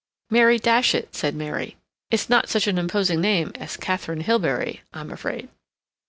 "Mary Datchet," said Mary. "It's not such an imposing name as Katharine Hilbery, I'm afraid."